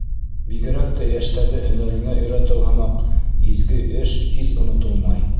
Бигерәк тә йәштәрҙе һөнәреңә өйрәтеү һымаҡ изге эш һис онотолмай.